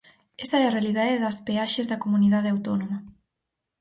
Esa é a realidade das peaxes da Comunidade Autónoma.